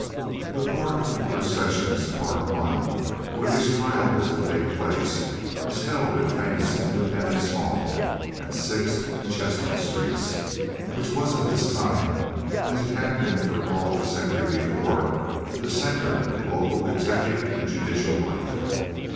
The Court of Quarter Sessions, Part I, where this trial was to take place, was held in famous Independence Hall, at Sixth and Chestnut Streets, which was at this time, as it had been for all of a century before, the center of local executive and judicial life.